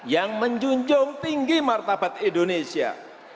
yang menjunjung tinggi martabat indonesia